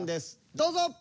どうぞ！